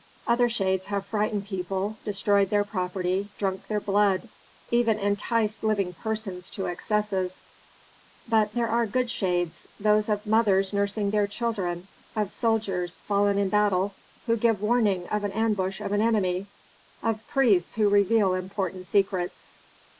Other shades have frightened people, destroyed their property, drunk their blood, even enticed living persons to excesses. But there are good shades: those of mothers nursing their children, of soldiers, fallen in battle, who give warning of an ambush of an enemy, of priests who reveal important secrets.